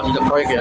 sejak proyek ya